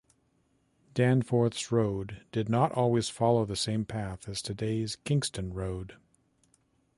Danforth's road did not always follow the same path as today's Kingston Road.